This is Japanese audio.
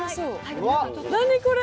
何これ？